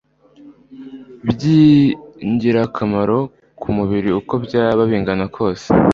byingirakamaro ku mubiri uko byaba bingana kose